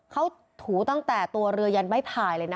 เขาถูตั้งแต่ตัวเรือยันไม้พายเลยนะ